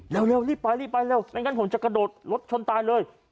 เร็วรีบไปรีบไปเร็วไม่งั้นผมจะกระโดดรถชนตายเลย